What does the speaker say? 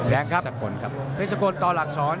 แรงครับพิสกลครับพิสกลต่อหลักสอน